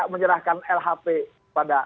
menyerahkan lhp pada